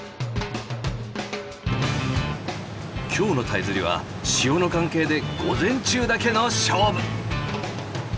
今日のタイ釣りは潮の関係で午前中だけの勝負！